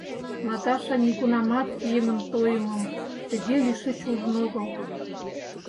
Наташа нигунамат еҥым тойымым тыге лишыч ужын огыл.